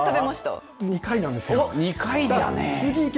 ２回なんですよ。